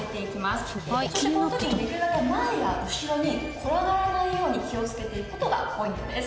この時にできるだけ前や後ろに転がらないように気をつけていく事がポイントです。